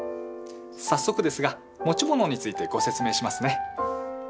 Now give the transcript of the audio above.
早速ですが持ち物についてご説明しますね。